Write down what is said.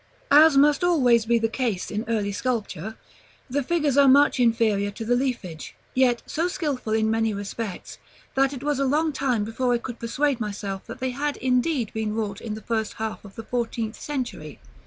§ XXXVIII. As must always be the case in early sculpture, the figures are much inferior to the leafage; yet so skilful in many respects, that it was a long time before I could persuade myself that they had indeed been wrought in the first half of the fourteenth century.